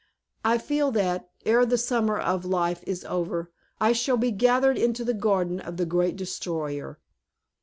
I feel that, ere the summer of life is over, I shall be gathered into the garden of the Great Destroyer."